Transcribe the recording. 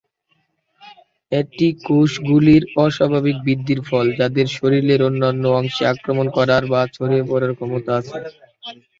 এটি কোষ গুলির অস্বাভাবিক বৃদ্ধির ফল যাদের শরীরের অন্যান্য অংশে আক্রমণ করার বা ছড়িয়ে পড়ার ক্ষমতা আছে।